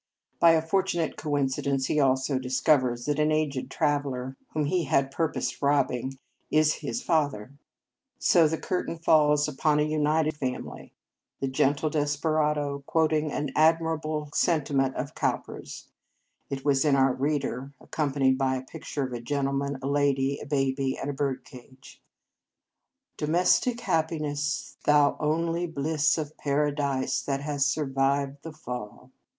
By a fortunate In Our Convent Days coincidence, he also discovers that an aged traveller whom he had purposed robbing is his father; so the curtain falls upon a united family, the gentle desperado quoting an admirable sen timent of Cowper s (it was in our reader, accompanied by a picture of a gentleman, a lady, a baby, and a bird cage) :" Domestic happiness, thou only bliss Of Paradise that has survived the fall."